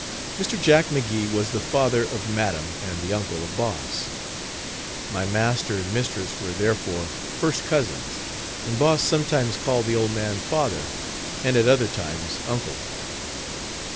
Mr. Jack McGee was the father of madam and the uncle of Boss. My master and mistress were therefore first cousins, and Boss sometimes called the old man father and at other times, uncle.